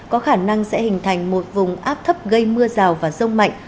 có khả năng sẽ hình thành một vùng áp thấp gây mưa rào và rông mạnh